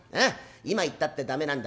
今行ったって駄目なんだ。